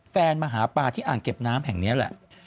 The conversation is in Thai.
มาหาปลาที่อ่างเก็บน้ำแห่งนี้แหละ